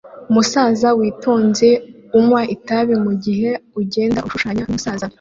Umusaza witonze unywa itabi mugihe ugenda ushushanya numusaza